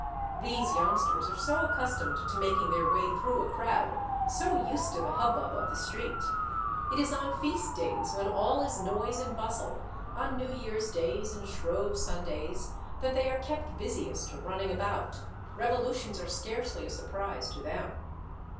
These youngsters are so accus tomed to making their way through a crowd, so used to the hubbub of the street ! It is on feast days, when all is noise and bustle, on New Year's Days and Shrove Sundays, that they are kept busiest, running about ; revolutions are scarcely a surprise to them.